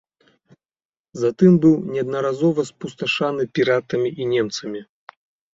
Затым быў неаднаразова спустошаны піратамі і немцамі.